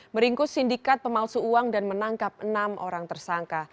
meringkus sindikat pemalsu uang dan menangkap enam orang tersangka